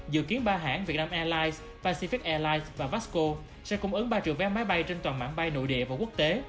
dự kiến ba hãng việt nam airlines pacific airlines và vasco sẽ cung ứng ba triệu vé máy bay trên toàn mạng bay nội địa và quốc tế